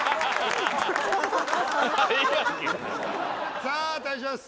さあ対します